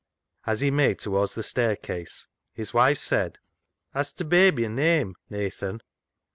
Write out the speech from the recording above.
As he made toward the staircase, his wife said —" Has t'baby a name, Nathan